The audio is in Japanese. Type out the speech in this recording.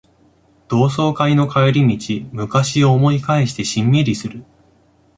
同窓会の帰り道、昔を思い返してしんみりする